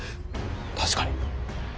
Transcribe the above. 確かに。